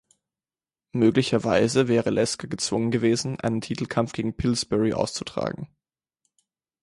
Möglicherweise wäre Lasker gezwungen gewesen, einen Titelkampf gegen Pillsbury auszutragen.